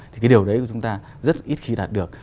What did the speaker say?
thì cái điều đấy của chúng ta rất ít khi đạt được